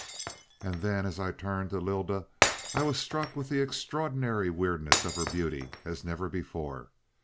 "And then, as I turned to Lylda, I was struck with the extraordinary weirdness of her beauty as never before.